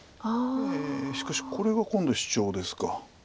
しかしこれは今度シチョウですか。